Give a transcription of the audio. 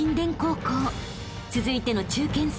［続いての中堅戦］